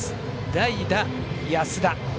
代打、安田。